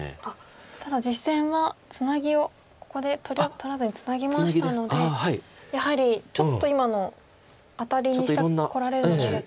ただ実戦はツナギをここで取らずにツナぎましたのでやはりちょっと今のアタリにしてこられるのが嫌だったと。